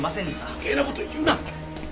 余計な事言うな！